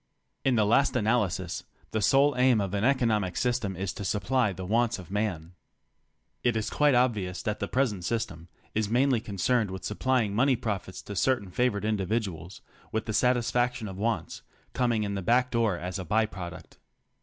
In the last analysis, tJic sole aim of an economic system is to supply the wafnts of man. It is quite obvious that the present system is mainly concerned with supplying money profits to certain favored individuals, with the satisfaction of wants coming in the back door as a by product.